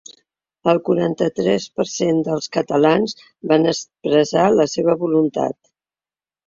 El quaranta-tres per cent dels catalans van expressar la seva voluntat.